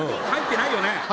入ってないよね？